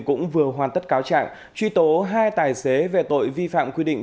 cũng vừa hoàn tất cáo trạng truy tố hai tài xế về tội vi phạm quy định